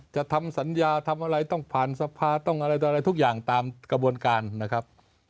จะทำสัญญาทำอะไรต้องผ่านสภาต้องอะไรทุกอย่างตามกระบวนการนะครับ